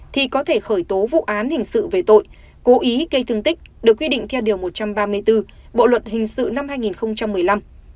thì có thể khởi tố vụ án hình sự về tội cố ý gây thương tích được quy định theo điều một trăm ba mươi bốn bộ luật hình sự năm hai nghìn một mươi năm